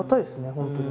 本当に。